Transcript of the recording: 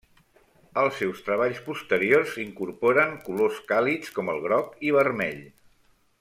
Els seus treballs posteriors incorporen colors càlids com el groc i vermell.